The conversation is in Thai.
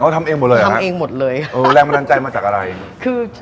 อ๋อทำเองหมดเลยหรอครับแรงบันดาลใจมาจากอะไรคือ